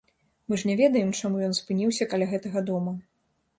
Мы ж не ведаем, чаму ён спыніўся каля гэтага дома.